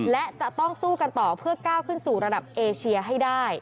และจะต้องสู้กันต่อเพื่อก้าวขึ้นสู่ระดับเอเชียให้ได้